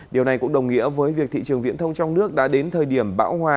điều này cũng đồng nghĩa với việc thị trường viễn thông trong nước đã đến thời điểm bão hòa